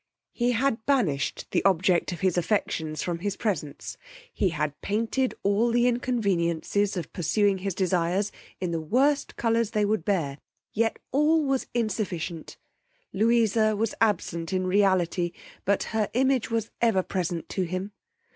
He had banished the object of his affections from his presence; he had painted all the inconveniences of pursuing his desires in the worst colours they would bear; yet all was insufficient! Louisa was absent in reality, but her image was ever present to him.